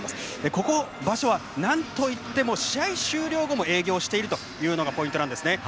この場所はなんといっても試合終了後も営業しているのがポイントなんですね。